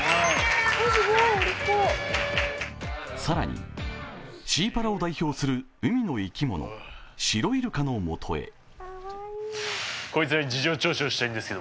更に、シーパラを代表する海の生き物、シロイルカのもとへ。